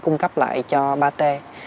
cung cấp lại cho ba t